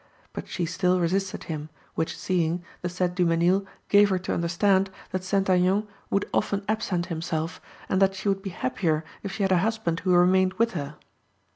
But she still resisted him, which seeing, the said Dumesnil gave her to understand that St. Aignan would often absent himself, and that she would be happier if she had a husband who remained with her.